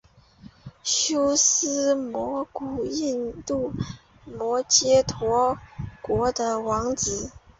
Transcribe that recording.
修私摩古印度摩揭陀国的王子。